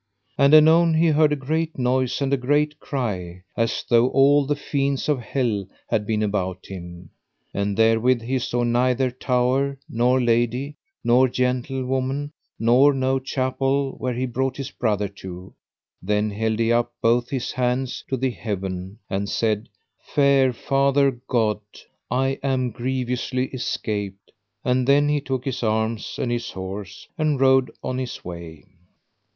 And anon he heard a great noise and a great cry, as though all the fiends of hell had been about him; and therewith he saw neither tower, nor lady, nor gentlewoman, nor no chapel where he brought his brother to. Then held he up both his hands to the heaven, and said: Fair Father God, I am grievously escaped; and then he took his arms and his horse and rode on his way.